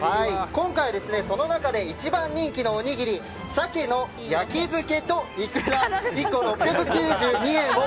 今回、その中で一番に気のおにぎり鮭焼漬けといくら１個６９２円を。